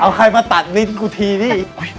เอาใครมาตัดลิ้นกูทีนี่